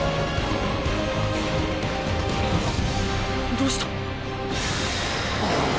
どうした？